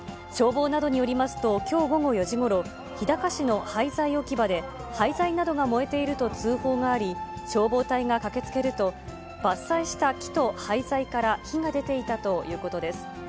消防などによりますと、きょう午後４時ごろ、日高市の廃材置き場で、廃材などが燃えていると通報があり、消防隊が駆けつけると、伐採した木と廃材から火が出ていたということです。